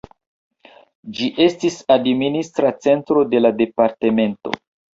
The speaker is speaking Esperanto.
Ĝi estis administra centro de la departemento.